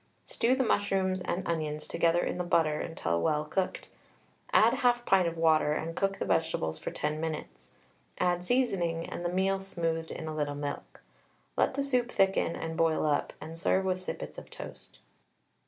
Stew the mushrooms and onions together in the butter until well cooked, add 1/2 pint of water, and cook the vegetables for 10 minutes. Add seasoning, and the meal smoothed in a little milk. Let the soup thicken and boil up, and serve with sippets of toast.